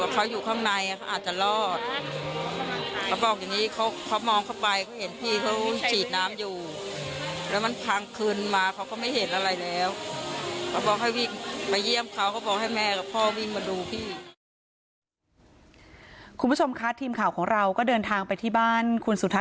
คุณผู้ชมคะทีมข่าวของเราก็เดินทางไปที่บ้านคุณสุทัศ